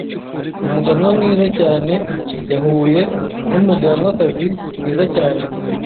Umuganwa mwiza cyane yahuye numuganwakazi mwiza cyane.